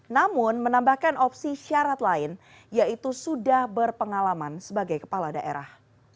namun menambahkan opsi syarat lain yaitu sudah berpengalaman sebagai kepala daerah